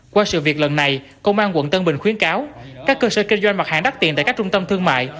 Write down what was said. qua sự việc lần này công an quận tân bình khuyến cáo các cơ sở kinh doanh mặt hàng đắt tiền tại các trung tâm thương mại